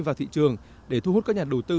vào thị trường để thu hút các nhà đầu tư